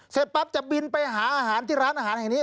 เสร็จปั๊บจะบินไปหาอาหารที่ร้านอาหารแห่งนี้